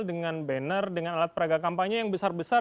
dengan banner dengan alat peragakampanya yang besar besar